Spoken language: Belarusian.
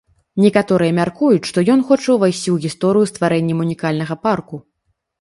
Некаторыя мяркуюць, што ён хоча ўвайсці ў гісторыю стварэннем унікальнага парку.